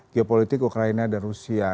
geopolitik ukraina dan rusia